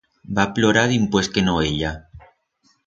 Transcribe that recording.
Va plorar dimpués que no ella.